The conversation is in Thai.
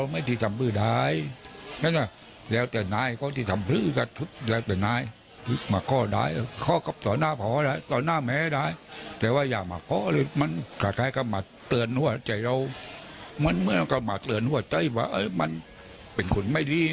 มันก็มาเตือนหัวใจว่ามันเป็นคนไม่ดี